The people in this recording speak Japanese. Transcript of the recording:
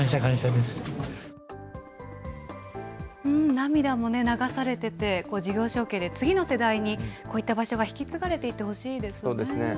涙も流されてて、事業承継で次の世代にこういった場所が引き継がれていってほしいそうですね。